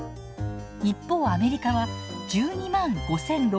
一方アメリカは１２５，６６４円。